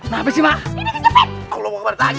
mak aku mau kejepit lagi doang